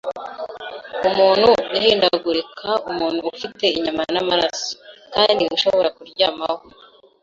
umuntu uhindagurika - umuntu ufite inyama n'amaraso, kandi ushobora kuryamaho. ”